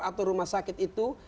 atau rumah sakit itu